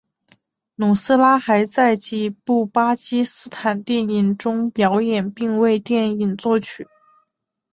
努斯拉还在几部巴基斯坦电影中表演并为电影作曲。